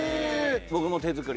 僕も手作り。